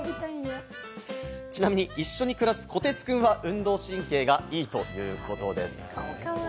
ちなみに一緒に暮らすコテツくんは運動神経がいいということです。